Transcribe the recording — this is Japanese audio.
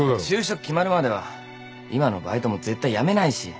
就職決まるまでは今のバイトも絶対辞めないし。